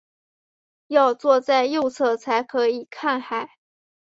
要坐在右侧才可以看海